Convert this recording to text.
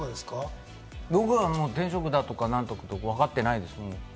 僕は天職だとか何とか、わかってないです。